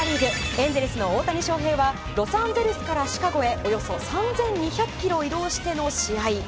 エンゼルスの大谷翔平はロサンゼルスからシカゴへおよそ３２００ｋｍ移動しての試合。